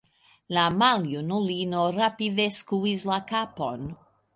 La maljunulino rapide skuis la kapon.